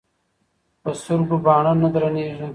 ـ په سترګو باڼه نه درنېږي.